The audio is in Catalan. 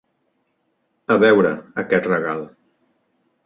A veure, aquest regal.